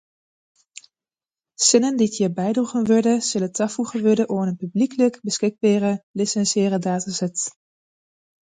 Sinnen dy’t hjir bydroegen wurde sille tafoege wurde oan in publyklik beskikbere lisinsearre dataset.